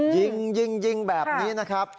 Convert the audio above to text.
ยิงยิงแบบนี้นะครับ